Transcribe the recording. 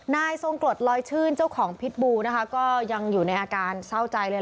นายทรงกรดลอยชื่นเจ้าของพิษบูนะคะก็ยังอยู่ในอาการเศร้าใจเลย